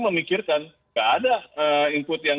memikirkan nggak ada input yang